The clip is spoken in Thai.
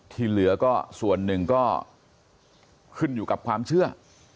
ที่เหลือก็ส่วนหนึ่งก็ขึ้นอยู่กับความเชื่อ